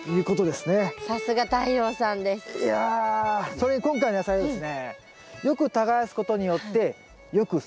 それに今回の野菜はですねえっ？